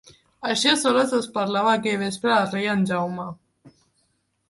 Així a soles es parlava aquell vespre el rei en Jaume.